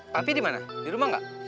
papi di mana di rumah gak